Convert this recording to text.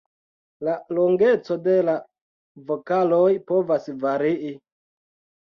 La longeco de la vokaloj povas varii.